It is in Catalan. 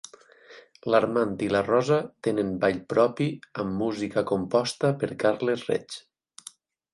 L'Armand i la Rosa tenen ball propi, amb música composta per Carles Reig.